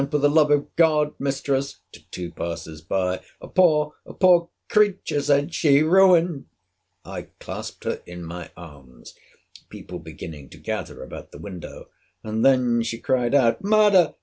—For the love of God, mistress—[to two passers by,] a poor, a poor creature, said she, ruined!—— I clasped her in my arms, people beginning to gather about the window: and then she cried out Murder!